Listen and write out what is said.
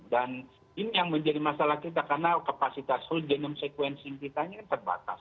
dan ini yang menjadi masalah kita karena kapasitas whole genome sequencing kita ini terbatas